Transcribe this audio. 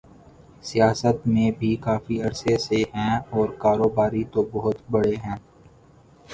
سیاست میں بھی کافی عرصے سے ہیں اور کاروباری تو بہت بڑے ہیں۔